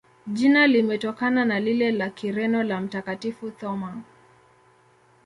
Jina limetokana na lile la Kireno la Mtakatifu Thoma.